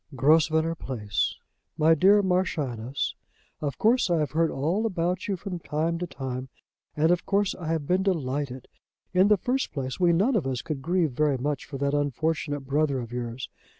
"GROSVENOR PLACE. "MY DEAR MARCHIONESS, Of course I have heard all about you from time to time, and of course I have been delighted. In the first place, we none of us could grieve very much for that unfortunate brother of yours.